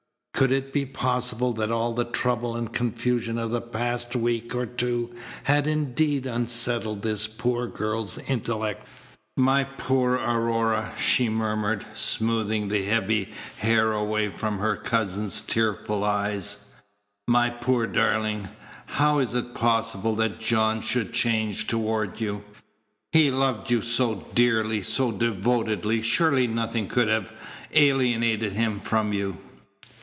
Could it be possible that all the trouble and confusion of the past week or two had indeed unsettled this poor girl's intellect? "My poor Aurora," she murmured, smoothing the heavy hair away from her cousin's tearful eyes, "my poor darling, how is it possible that John should change toward you? He loved you so dearly, so devotedly; surely nothing could alienate him from you."